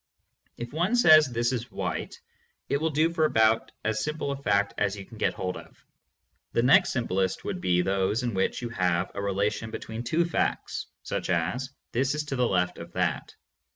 If one says, "This is white" it will do for about as simple a fact as you can get hold of. The next simplest would be those in which you have a rela tion between two facts, such as: "This is to the left of that."